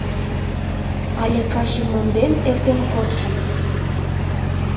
Але каче монден эртен кодшым